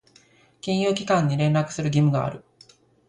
金融機関に連絡する義務がある。